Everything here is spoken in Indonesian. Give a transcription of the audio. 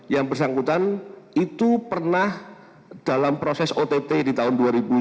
yang bersangkutan itu pernah dalam proses ott di tahun dua ribu sepuluh dua ribu sebelas